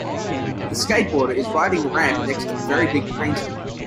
The skateboarder is riding the ramp next to the very big painting.